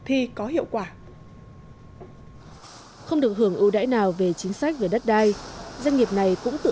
thi có hiệu quả không được hưởng ưu đãi nào về chính sách về đất đai doanh nghiệp này cũng tự